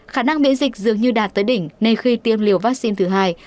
khả năng biễn dịch dường như đạt tới đỉnh nền khi tiêm liều vaccine thứ hai